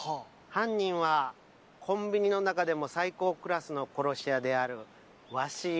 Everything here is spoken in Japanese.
犯人はコンビニの中でも最高クラスの殺し屋である鷲男。